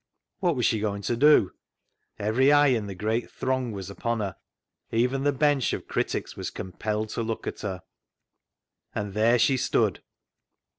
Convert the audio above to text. What was she going to do ? Every eye in the great throng was upon her; even the bench of critics was compelled to look at her. And there she stood.